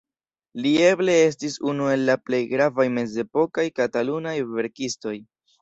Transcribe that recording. Li eble estis unu el la plej gravaj mezepokaj katalunaj verkistoj.